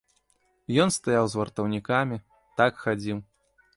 Ён стаяў з вартаўнікамі, так хадзіў.